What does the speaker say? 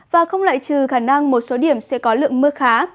và không lại trừ khả năng một số điểm sẽ có lượng mưa khá